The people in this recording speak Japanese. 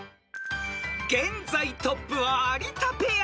［現在トップは有田ペア］